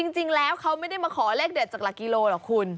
จริงแล้วเขาไม่ได้มาขอเลขเด็ดจากหลักกิโลหรอกคุณ